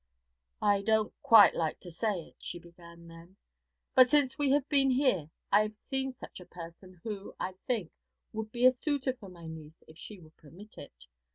'I don't quite like to say it,' she began then; 'but since we have been here I have seen a person who, I think, would be a suitor for my niece if she would permit it.